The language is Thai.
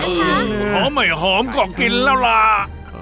เขาใหม่หอมก็กินแล้วล่า